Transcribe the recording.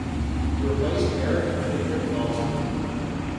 He replaced Erich Friedrich Valter.